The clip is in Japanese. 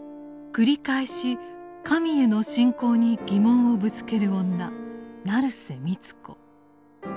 繰り返し神への信仰に疑問をぶつける女成瀬美津子。